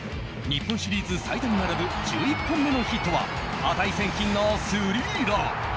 日本シリーズ最多に並ぶ１１本目のヒットは値千金のスリーラン。